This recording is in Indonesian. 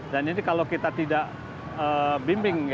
dan ini kalau kita tidak bimbing